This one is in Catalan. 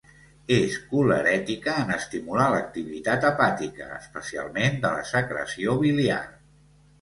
És colerètica en estimular l'activitat hepàtica, especialment de la secreció biliar.